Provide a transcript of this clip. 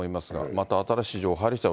また新しい情報が入りしだい